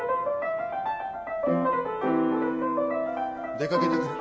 ・出かけてくる。